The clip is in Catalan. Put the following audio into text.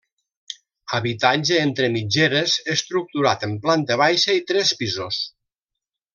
Habitatge entre mitgeres, estructurat en planta baixa i tres pisos.